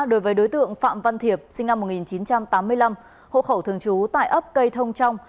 đối với đối tượng phạm văn thiệp sinh năm một nghìn chín trăm tám mươi năm hộ khẩu thường trú tại ấp cây thông trong